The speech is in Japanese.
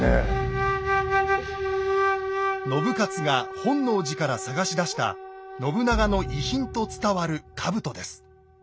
信雄が本能寺から捜し出した信長の遺品と伝わる兜です。